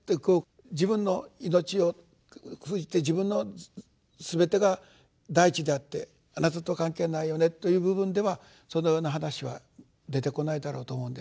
自分の命を封じて自分の全てが第一であってあなたと関係ないよねという部分ではそのような話は出てこないだろうと思うんですが。